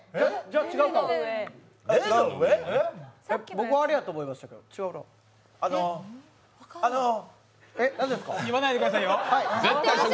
僕はあれやと思いますよ、違うかな言わないでくださいよ。